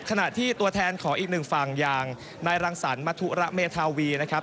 ขณะที่ตัวแทนของอีกหนึ่งฝั่งอย่างนายรังสรรมธุระเมธาวีนะครับ